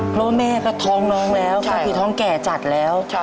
เพราะว่าแม่ก็ท้องน้องแล้วก็คือท้องแก่จัดแล้ว